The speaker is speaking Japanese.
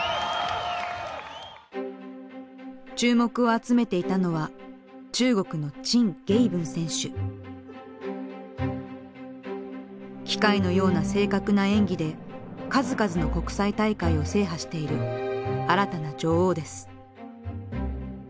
注目を集めていたのは機械のような正確な演技で数々の国際大会を制覇している新たな女王です。